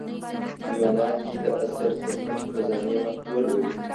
ځوانان دي دا اثر تر پټې خزانې مخکې ولولي.